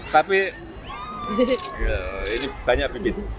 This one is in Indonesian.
tapi ini banyak bibit